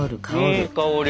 いい香り。